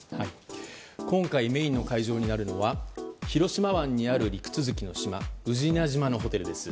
今回メインの会場になるのは広島湾にある陸続きの島宇品島のホテルです。